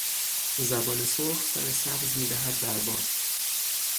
زبان سرخ سر سبز میدهد بر باد